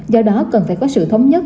do đó cần phải có sự thống nhất